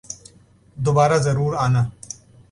دوبارہ ضرور آنا